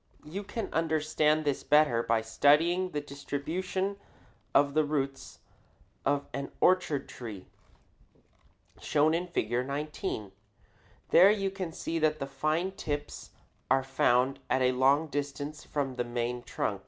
You can understand this better by studying the distribution of the roots of an orchard tree, shown in Fig. 19. There you can see that the fine tips are found at a long distance from the main trunk. [Illustration: FIG.